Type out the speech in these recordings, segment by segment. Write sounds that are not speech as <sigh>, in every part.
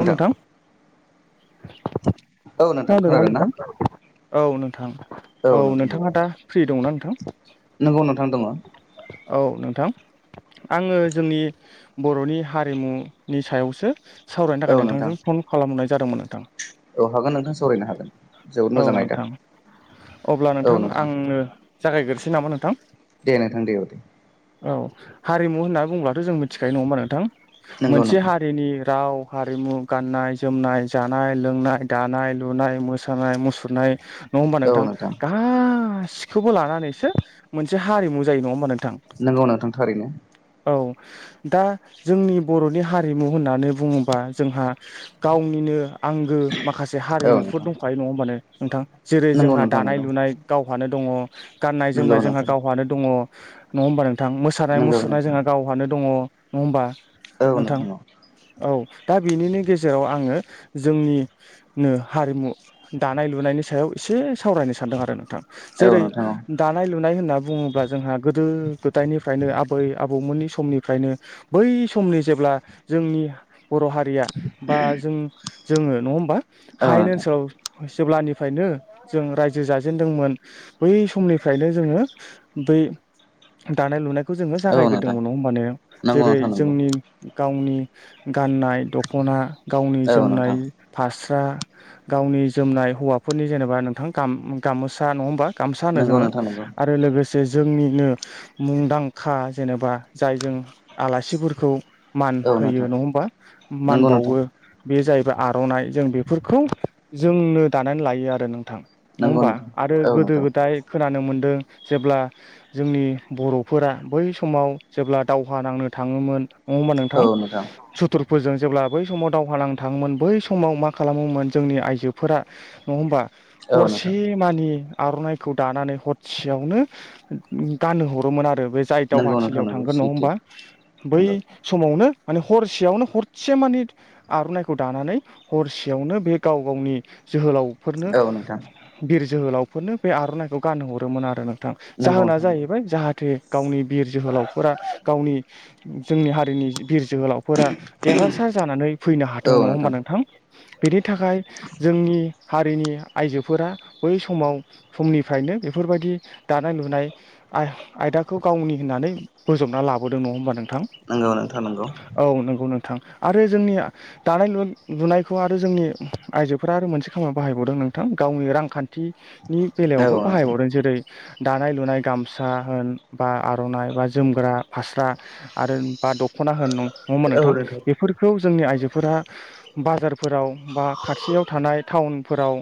औ नोंथां औ नोंथां खोन खोनादों होनदों ना नोंथां औ नोंथां औ नोंथाङा दा फ्रि दंना नोंथां नंगौ नोंथां दङ औ नोंथां आङो जोंनि बर'नि हारिमुनि सायावसो सावरायनो औ थाखाय नोंथां नोंथांजों फन खालामहरनाय जादोंमोन नोंथाङा औ हागोन नोंथां सावरायनो हागोन जोबोद औ मोजाङ आदा नोंथां अब्ला नोंथां आंनो जागायग्रोसै नामा नोंथां दे दे औ दे औ हारिमु होननानै बुंब्लाथ जों मिथिखायो नङा होनबा नोंथां नंगौ मोनसे नोंथां हारिनि राव हारिमु गाननाय जोमनाय जानाय लोंनाय दानाय लुनाय मोसानाय मुसुरनाय नङा होमबा नोंथां गासिखौबो लानानैसो मोनसे हारिमु जायो नङा होमबा नोंथां नंगौ नोंथां थारैनो औ दा जोंनि बर'नि हारिमु होननानै बुङोब्ला बा जोंहा गावनिनो आंगो माखासे औ हारिमुफोर नोंथां दंखायो नङा होमबानो नोंथां जेरै नंगौ जोंहा नोंथां दानाय नंगौ लुनाय गावहानो दङ गाननाय नंगौ जोमनाय जोंहा नोंथां गावहानो दङ नङा होमबा नोंथां मोसानाय नंगौ मुसुरनाय नोंथां जोंहा गावहानो दङ नङा होमबा नोंथां औ दा बिनिनो गेजेराव आङो जोंनिनो हारिमु दानाय लुनायनि सायाव एसे एसे सावरायनो सानदों आरो नोंथां औ जेरै नोंथां दानाय लुनाय बुङोब्ला जोंहा गोदो गोदायनिफ्रायनो आबै आबौमोननिनो बै सम सम नि जेब्ला जोंनि बर' हारिया बा जों जोङो नङा होमबा औ हायनि नोंथां ओनसोलाव जेब्लानिफ्रायनो जों रायजो जाजेेनदोंमोन बै समनिफ्रायनो जोङो बै दानाय लुनाय खौ जोङो औ नोंथां जागायग्रोदोंमोन नङा होमबान नंगौ जेरै नोंथां नंगौ जोंनि गावनि गाननाय दख'ना गावनि औ जोमनाय नोंथां फास रा गावनि जोमनाय हौवाफोरनि जेनेबा नोंथां गामोसा नङा होनबा गामसा होनो नंगौ जोङो नोंथां नंगौ आरो लोगोसे जोंनिनो मुंदांखा जेनेबा जाय जों आलासिफोरखौ मान औ होयो नोंथां नङा होमबा मान नंगौ नोंथां बावो बे जाहैबाय आरनाइ जों बेफोरखौ जोंनो दानानै लायो आरो नोंथां नङा नंगौ होमबा नोंथां आरो औ गोदो नोंथां गोदाय खोनानो मोनदों जेब्ला जोंनि बर'फोरा बै समाव जेब्ला दावहा नांनो थाङोमोन नङ होमबा नोंथां सुथुरफोरजों जेब्ला बै समाव दावहा नांनो थाङोमोन बै समाव मा खालामोमोन जोंनि आइजोफोरा नङा होमबा औ हरसे नोंथां मानि आरननाइखौ दानानै हरसेयावनो गाननो हरोमोन आरो बे जाय नंगौ नोंथां दावहाथिलियाव नंगौ थांगोन नङा सैथो होमबा बै नंगौ समावनो माने हरसेयावनो हरसे मानि आरननाइखौ दानानै हरसेयावनो बे गाव गावनि जोहोलाव नो औ नोंथां बिर जोहोलावफोरनो बे आरननाइखौ गानहरोमोन आरो नों थां नंगौ जाहोना नोंथां नंगौ जाहैबाय जाहाथे गावनि बिर जोहोलावफोरा गावनि जोंनि हारिनि बिर जोहोलावफोरा देरहासार जानानै फैनो हाथों नङा होमबा नोंथां बेनि थाखाय जोंनि हारिनि आइजोफोरा बै समाव समनिफ्रायनो बेफोरबायदि दानाय लुनाय आ आयदाखौ गावनि होननानै बोजबना लाबोदों नङा होमबा नोंथां नंगौ नोंथां नंगौ औ नंगौ नोंथां आरो जोंनि दानाय लुनाय लुनायखौ आरो जोंनि आइजोफोरा आरो मोनसे खामा बाहाय बावदों नोंथां गावनि रांखान्थिनि औ बेलायावबो नोंथां बाहायबावदों जेरै दानाय लुनाय गामसा होन बा आर'नाइ बा जोमग्रा फास्रा आरो दख'ना होन नङा होनबा नोंथां बेफोरखौ जोंनि आइजो फोरा बाजारफोराव बा खाथियाव थानाय टाउनफोराव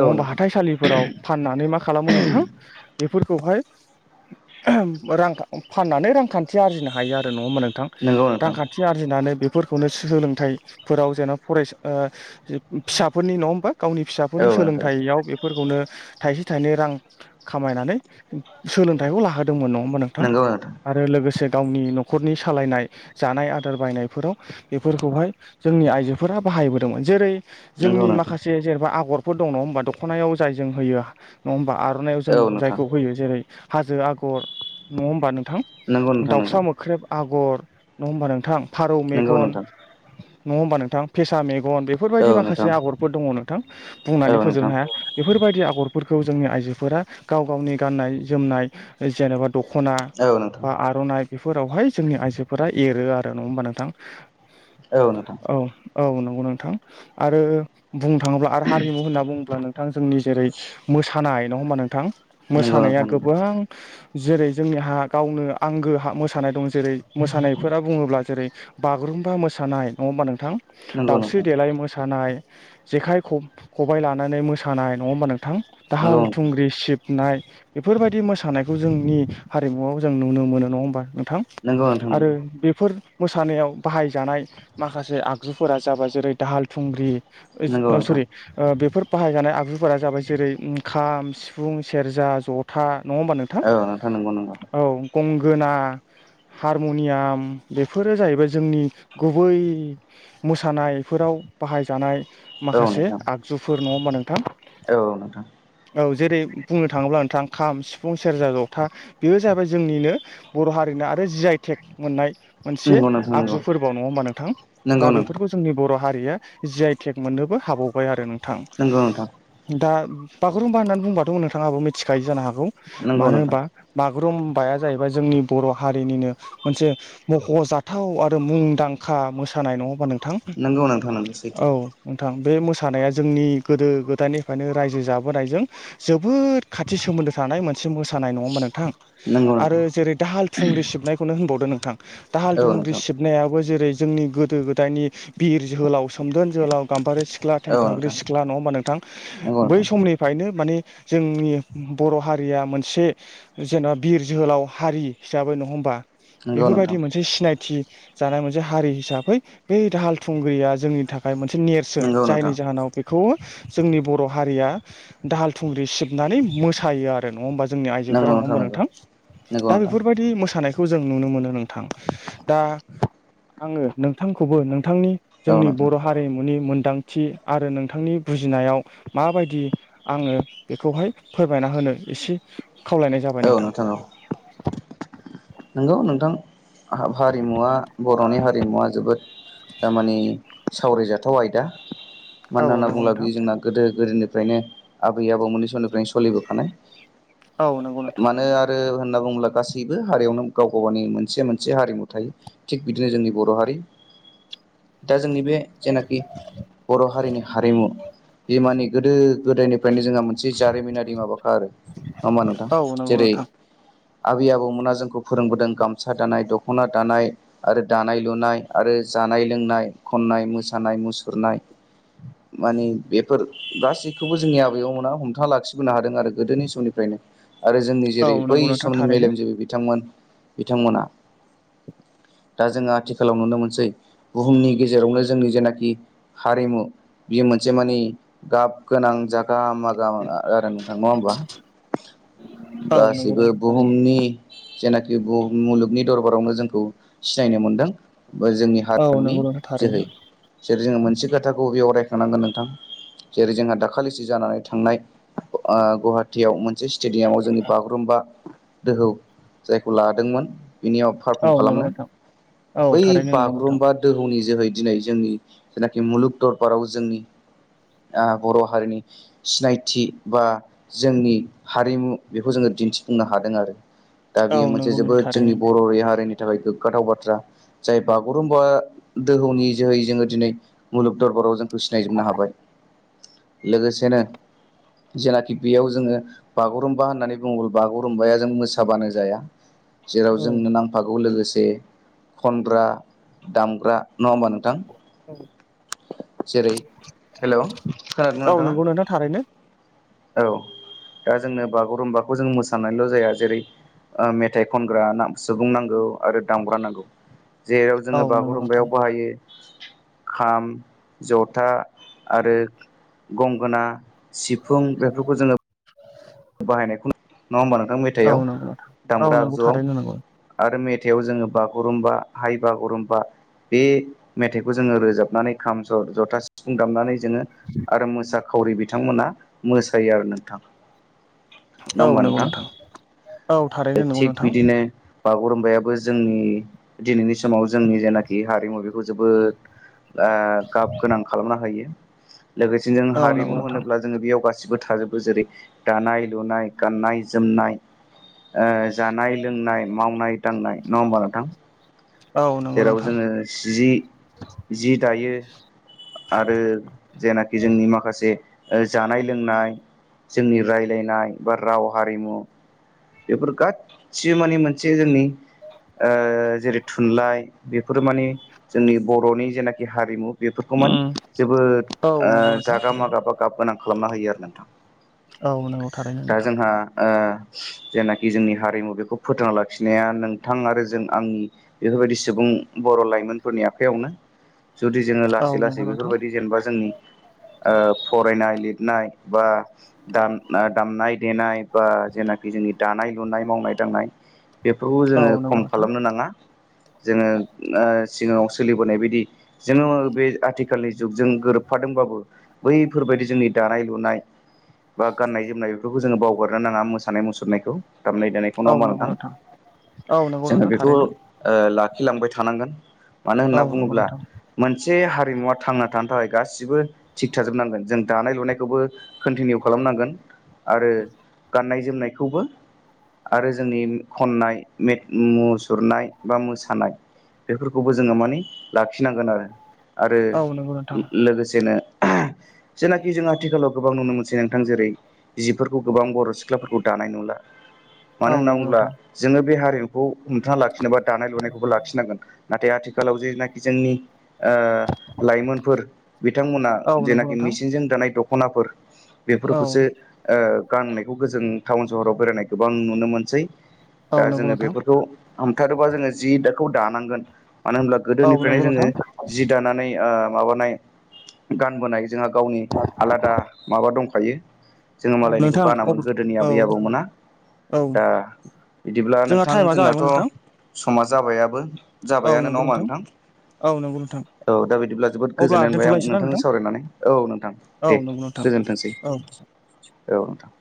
औ नोंथां हाथाइसालिफोराव फाननानै मा खालामो नोंथां बेफोरखौहाय रां फाननानै रांखान्थि आरजिनो हायो आरो नङा होमबा नोंथां नंगौ नोंथां रांखान्थि आरजिनानै बे फोरखौनो सोलोंथाइफोराव जेनना फरायसा फिसाफोरनि नङा होमबा गावनि औ फिसाफोरनि नोंथां सोलोंथायाइयाव बे फोरखौनो थाइसे थाइनै रां खामायनानै सोलोंथाइखौ लाहोदोंमोन न होमबा नोंथां आरो लोगोसे गावनि न'खरनि सालायनाय जानाय आदार बायनायफोराव बेफोरखौहाय जोंनि आइजोफोरा बाहायबोदोंमोन जेरै नंगौ जोंनि नोंथां माखासे जेनेबा आगरफोर दं नङा हबा दखनायाव जाय जों होयो नङा होनबा आरो हरनायाव जों औ नोंथां नंगौ नोंथां जायखौ होयो जेरै हाजो आगर नङा होमबा नों थां नंगौ दाउसा मोख्रेब आगर नङा होमबा नोंथां फारौ नंगौ मेगन नोंथां नङा होमबा नोंथां फेसा मेगन बेफोरबायदि औ माखासे नोंथां आगरफोर दङ नो थां बुंनानै औ फोजोबनो नोंथां हाया बेफोरबायदि आगरफोरखौ जोंनि आइजोफोरा गाव गावनि गाननाय जोमनाय नाय जेनेबा दख'ना औ बा नोंथां आर'नाइ बेफोरावहाय जोंनि आइजोफोरा एरो आरो नङा होमबा नोंथां औ नोंथां औ नंगौ नो थां आरो बुंनो थाङोब्ला आरो हारिमु होनना बुङोब्ला नोंथां जोंनि जेरै मोसानाय नङा होमबा नोंथां नंगौ मोसानाया नोंथां गोबां जेरै जोंनि हा गावनो आं गो हा मोसानाय दं जेरै मोसानाय फोरा बुङोब्ला जेरै बागुरुम्बा मोसानाय नङा होमबा नोंथां नंगौ नंगौ दाावस्रि देलाय मोसानाय जेखाइ ख खबाय लानानै मोसानाय नङा होमबा नोंथां दाहाल नोंथां थुंग्रि सिबनाय बेफोरबायदि मोसानायखौ जोंनि हारिमुआव जों नुनो मोनो नङा होमबा नोंथां नंगौ नोंथां आरो नोंगौ बेफोर मोसानायाव बाहायजानाय माखासे आगजुफोरा जाबाय जेरै दाहाल थुंग्रि नंगौ ओ नोंथां सरि ओ बेफोर बाहायजानाय आगजुफोरा जाबाय जेरै ओ खाम सिफुं सेरजा जथा नङा होमबा नोंथां नंगौ नंगौ औ गंगोना हारमनियाम बेफोरो जाहैबाय जोंनि गुबै मोसानायफोराव बाहायजानाय माखासे नोंथां आगजुफोर नङा होमबा नोंथां औ नोंथां औ जेरै बुंनो थाङोब्ला नोंथां खाम सिफुं सेरजा जथा बेयो जाबाय जोंनिनो बर' हारिनो आरो जि आइटेक मोननाय मोनसे नंगौ नंगौ औ नोंथां औ नोंथां नंगौ नोंथां आगजु फोरबोआव नङा होमबा नोंथां दा नंगौ नंगौ बेफोरखौ जोंनि बर' हारि बियो आइटेक मोननोबो हाबावबाय आरो नोंथां दा बागुरुमबा होननानै बुंबाथ' नोंथाङाबो मिथिखायो जानो हागौ नंगौ मानो नोंथां नंगौ नोंथां होनबा बागुरुम्बाया जाहैबाय जोंनि बर' हारिनिनो मोनसे मख'जाथाव आरो मुंदांखा मोसानाय नङा होमबा नों थां नंगौ नोंथां नंगौ सैथो औ नोंथां । बे मोसानाया जोंनि गोदो गोदायनिफ्रायनो रायजो जाबोनायजों जोबोद खाथि सोमोन्दो थानाय मोनसे मोसानाय नङा होमबा नोंथां नंगौ आरो नोंथां जेरै दाहाल थुंग्रि सिबनायखौनो होनबावदो नों दाहाल औ दुंग्रि नोंथां सिबनायाबो जेरै जोंनि गोदो गोदायनि बिर जोहोलाव सोमदोन जोहोलाव गाम्बारि सिख्ला औ थेम्फाग्रि नोंथां सिख्ला नङा होमबा नोंथां नंगौ बै नोंथां समनिफ्रायनो माने जोंनि बर' हारिया मोनसे जेन'बा बिर जोहोलाव हारि हिसाबै नङा होमबा नंगौ नोंथां बेफोरबायदि मोनसे सिनायथि जानाय मोनसे हारि हिसाबै बै दाहाल थुंग्रिया जोंनि थाखाय बे मोनसे नेरसोन नंगौ नोंथां जायनि जाहोनाव बेखौ जोंनि बर' हारिया दाहाल थुंग्रि सिबनानै मोसायो आरो नङा होमबा? जोंनि नंगौ आइजोफोरा नङा होमबा नंगौ नोंथां नंगौ दा नोंथां बेफोरबायदि मोसानायखौ जों नुनो मोनो नोंथां दा आङो नोंथांखौबो थांनि औ जोंनि नोंथां बर' हारिमुनि मोन दांथि आरो नोंथांनि बुजिनायाव माबायदि आङो बेखौहाय फोरमायना होनो एसे खावलायनाय जाबाय औ नोंथां औ । नंगौ नोंथां । हारिमुवा बर'नि हारिमुवा जोबोद दामानि सावरायजायो । गोथाव आयदा मानो औ होनना नंगौ बुङोब्ला नोंथां बेयो जोंना गोदो गोदोनिफ्रायनो आबै आबौमोननि समनिफ्रायनो सोलिबोफानाय औ नंगौ नोंथां मानो आरो होनना बुङोब्ला गासैबो हारियावनो गाव गाव गावनि मोनसे मोनसे हारिमु थायो थिग बिदिनो जोंनि बर' हारि दा जोंनि बे जेनाखि बर' हारिनि हारिमु बिमानि गोदो गोदायनि बेनिफ्रायनो जोंहा मोनसे जारिमिनारि माबाखा आरो नङा होमबा नोंथां औ नंगौ जेरै नोंथां आबै आबौ मोनहा जोंखौ फोरोंबोदों गामसा दानाय दख'ना दानाय आरो दानाय लुनाय आरो जानाय लोंनाय खननाय मोसानाय मुसुरनाय मानि बेफोर गासैखौबो जोंनि आबै मोना हमथाना लाखिबोनो हादों आरो गोदोनि समनिफ्राय नो आरो जोंनि औ जेरै बै नंगौ नोंथां समनि थारैनो मेलेमजिबि बिथांमोन बिथांमोना दा जोङो आथिखालाव नुनो मोनसै । बुहुमनि गेजेरावनो जोंनि जेनाखि हारिमु बेयो मोनसे माने गाब गोनां जा गाहामा गाम आरो नोंथां नङा होमबा औ नंगौ गासिबो नोंथां थारैनो बुहुमनि जेनाखि मुलुगनि दरबारावनो जोंखौ सिनायनो मोनदों । जोंनि औ हारिमुनि नंगौ नोंथां थारैनो जोहै सोर जोङो मोनसे बाथ्राखौ बेयाव रायखां नोंथां जेरै जोंहा दाखालिसो जानानै थांनाय गहातियाव मोनसे स्टेडियामाव जोंनि बागुरुम्बा दोहौ जायखौ लादोंमोन बिनियाव पारफर्म औ नंगौ खालामनो नोंथां औ बै थारैनो नंगौ नोंथां बागुरुम्बा दोहौनि जोहै दिनै जोंनि जेनाखि मुलुग दरबाराव जोंनि बर' हारिनि सिनायथि बा जोंनि हारिमु बेखौ जोङो दिन्थिफुंनो हादों आरो दा औ बेयो मोनसे नंगौ नोंथां जोबोद जोंनि थारैनो बर' हारिनि थाखाय गोग्गाथाव बाथ्रा जाय बागुरुम्बा दोहौनि जोहै जोङो दिनै मुलुग दरबार राव जोंखौ सिनायजोबनो हाबाय लोगोसेनो जेनाखि बेयाव जोङो बागुरुम्बा होननानै बुङोब्ला बागुरुम्बाया जों मोसाबानो जाया जेराव औ जोंनो नांफागौ लोगोसे खनग्रा दामग्रा नङा होमबा नोंथां? औ जेरै हेल' खोनादों ना औ नोंथाङा? नंगौ नोंथां थारैनो औ दा जोंनो बागुरुम्बाखौ जों मोसानायल' जाया जेरै मेथाइ खनग्रा सुबुं नांगौ आरो दामग्रा नांगौ जेराव औ जोङो नंगौ नोंथां बागुरुमबायाव बाहायो <inaudible> खाम जथा आरो गंगोना सिफुं बेफोरखौ जोङो बाहायनायखौ नङा होमबा नोंथां औ मेथाइआव नंगौ नोंथां औ दामग्रा नंगौ आगजुआव थारैनो नंगौ आरो मेथ थायाव जोङो बागुरुम्बा हाइ बागुरुम्बा बे मेथाइखौ जोङो रोजाबनानै खाम सर जथा सिफुं दामनानै जोङो आरो मोसाखावरि बिथांमोना मोसायो आरो नोंथां औ नाङा होनबा नंगौ नोंथां औ थारैनो नंगौ नोंथां नोंथां बिदिनो बागुरुमबायाबो जोंनि दिनैनि समाव जोंनि जेनाखि हारिमु बेखौ जोबोद गाब गोनां खालामनो हायो लोगोसेनो जों औ नंगौ हारिमु नोंथां होनोब्ला जोङो बेयाव गासिबो थाजोबो जेरै दानाय लुनाय गाननाय जोमनाय जानाय लोंनाय मावनाय दांनाय नङा होमबा नोंथां औ नंगौ जेराव नोंथां जोङो जि जि दायो आरो जेनाखि जोंनि माखासे जानाय लोंनाय जोंनि रायलायनाय बा राव हारिमु बेफोर गाससिबो माने मोनसे जोंनि ओ जेरै थुनलाइ बेफोरो माने जोंनि बरनि जेनाखि हारिमु बेफोरखौ माने जोबोद औ नंगौ आं नोंथां जागा थारैनो मागा बा गाब गोनां खालामना होयो आरो नोंथां औ नंगौ थारैनो दा नोंथां जोंहा ओ जेनाखि जोंनि हारिमु बेखौ फोथांना लाखिनाया नोंथां आरो जों आंनि बेफोरबायदि सुबुं बर लाइमोनफोरनि आखायावनो जुदि जोङो औ लासै नंगौ लासै नोंथां बेफोरबायदि जेनेबा जोंनि फरायनाय लिरनाय बा दामनाय देनाय बा जेनाख जोंनि दानाय लुनाय मावनाय दांनाय बेफोरखौ औ जोङो नंगौ खम नोंथां खालामनो नाङा जोङो ओ सिगाङाव सोलिबोनाय बायदि जोङो बे आथिखालनि जुगजों गोरोब थफादोंबाबो बैफोरबायदि जोंनि दानाय लुनाय बा गाननाय जोमनाय बेफोरखौ जोङो बावगारनो नाङा मोसानाय मुसुरनायखौ दामनाय देनायखौ नङा औ होनबा नंगौ नोंथां औ नंगौ जोङो नोंथां बेखौ थारैनो ला होलांबाय थानांगोन मानो औ होनना नंगौ बुङोब्ला नोंथां मोनसे से हारिमुवा थांना थानो थाखाय गासिबो थिग थाजोबनांगोन जों दानाय लुनायखौबो कन्टिनिउ खालामांग नांगोन आरो गाननाय जोमनायखौबो आरो जोंनि खननाय मुसुरनाय बा मोसानाय बेफोरखौबो जोङो माने लाखिनांगोन आरो आरो औ नंगौ नोंथां लोगोसेनो जेनाखि जों आथिखालाव गोबां नुनो मोनसै नोंथां जेरै जिफोरखौ गोबां बर सिख्लाफोरखौ दानाय नुला मानो औ होनना नंगौ बुङोब्ला नोंथां जोङो बे हारिमुखौ हमथाङा लाखिनोबा दानाय लुनायखौबो लाखिनांगोन नाथाय आथिखालाव जेनाखि जोंनि ओ लाइमोनफोर बिथांमोना औ नंगौ जेनाखि नोंथां मेसिनजों दानाय दखनाफोर औ बेफोरखौसो गाननायखौ गो जों टाउन सहराव बेरायनाय गोबां नुनो मोनसै औ दा नंगौ जोङो नोंथां बेफोरखौ हमथारोबा जोङो जि दाखौ दानांगोन मानो होनब्ला औ गोदोनिफ्रायनो नंगौ जोङो नोंथां जि दानानै माबानाय गानबोनाय जोंहा गावनि आलादा माबा दंखायो जोङो औ मालायनिखौ नोंथां मोन गोदोनि औ आबै आबौ मोना औ दा बिदिब्ला जोंहा नोंथां टाइमा जोंनाथ जाबायमोन नोंथां समा जाबायाबो औ जाबायानो नङा नंगौ होनबा नोंथां औ नंगौ नोंथां औ दा बिदिब्ला जोबोद अब्ला गोजोननाय मोनबाय आं दोनथ'लायसै ना नोंथांजों नोंथां सावरायनानै औ नोंथां औ दे नंगौ नोंथां गोजोनथोंसै औ औ नोंथां